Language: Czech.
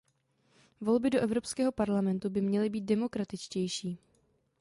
Volby do Evropského parlamentu by měly být demokratičtější.